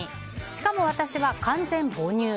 しかも私は完全母乳。